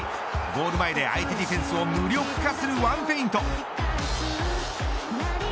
ゴール前で相手ディフェンスを無力化するワンフェイント。